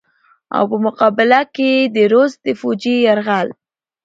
او په مقابله کښې ئې د روس فوجي يرغل